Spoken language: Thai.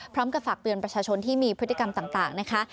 ฝากเตือนประชาชนที่มีพฤติกรรมต่างนะคะ